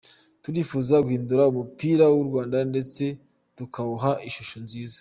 Turifuza guhindura umupira w’u Rwanda ndetse tukawuha ishusho nziza.